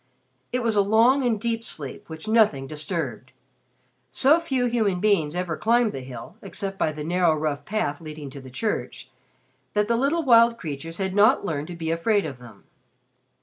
It was a long and deep sleep which nothing disturbed. So few human beings ever climbed the hill, except by the narrow rough path leading to the church, that the little wild creatures had not learned to be afraid of them.